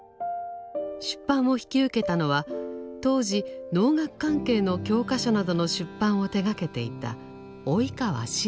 出版を引き受けたのは当時農学関係の教科書などの出版を手がけていた及川四郎でした。